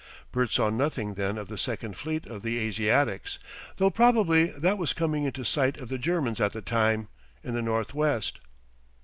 Bert saw nothing then of the second fleet of the Asiatics, though probably that was coming into sight of the Germans at the time, in the north west.